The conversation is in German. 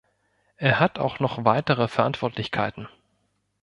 Er hat auch noch weitere Verantwortlichkeiten.